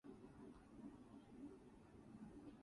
As sailor he took many times the podium.